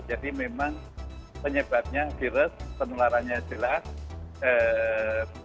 jadi memang penyebabnya virus penularannya jelas